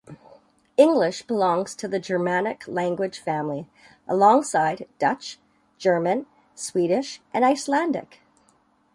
English belongs to the Germanic language family, alongside Dutch, German, Swedish and Icelandic.